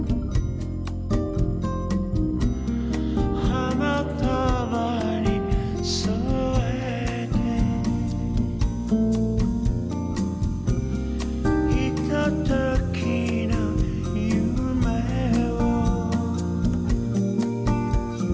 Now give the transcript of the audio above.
「花束に添えて」「ひとときの夢を」